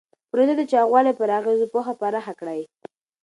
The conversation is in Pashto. پروژه د چاغوالي پر اغېزو پوهه پراخه کړې.